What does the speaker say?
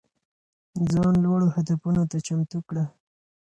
ځان لوړو هدفونو ته چمتو کړه.